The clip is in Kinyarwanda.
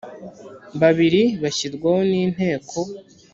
babiri bashyirwaho n inteko